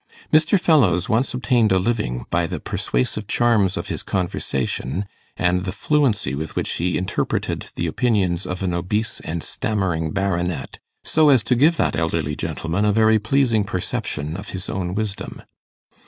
Mr. Fellowes once obtained a living by the persuasive charms of his conversation, and the fluency with which he interpreted the opinions of an obese and stammering baronet, so as to give that elderly gentleman a very pleasing perception of his own wisdom.